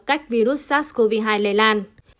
cách virus sars cov hai lây lan